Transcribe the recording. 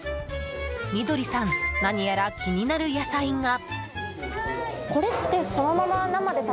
翠さん、何やら気になる野菜が。